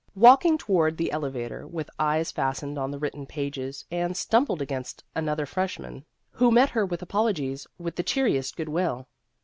Walking toward the elevator, with eyes fastened on the written pages, Anne stum bled against another freshman, who met 138 Vassar Studies her apologies with the cheeriest good will.